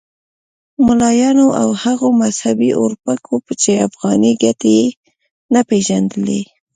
ملایانو او هغو مذهبي اورپکو چې افغاني ګټې یې نه پېژندلې.